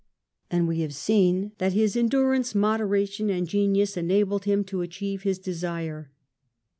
And we have seen that his endurance, mod eration, and genius enabled him to achieve his desire.